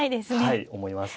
はい思います。